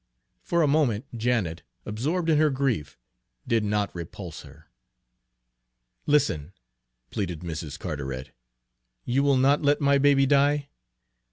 For a moment Janet, absorbed in her grief, did not repulse her. "Listen," pleaded Mrs. Carteret. "You will not let my baby die?